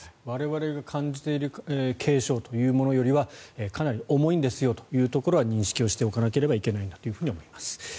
我々が感じている軽症というものよりはかなり重いんですというところは認識しておかなければいけないんだと思います。